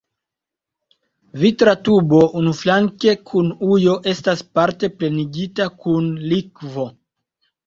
Vitra tubo unuflanke kun ujo estas parte plenigita kun likvo.